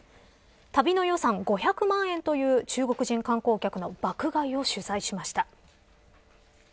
旅の予算５００万円という中国人観光客の爆買いを取材しました。